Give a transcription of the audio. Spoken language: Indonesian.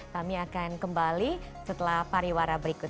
kami akan kembali setelah pariwara berikut